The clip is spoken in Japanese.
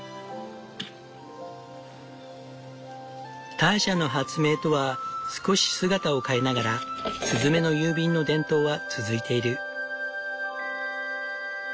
ターシャの発明とは少し姿を変えながらスズメの郵便の伝統は続いている。